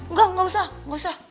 enggak enggak usah enggak usah